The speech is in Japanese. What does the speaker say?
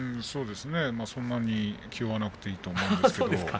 そんなに気負わなくていいと思うんですけれども。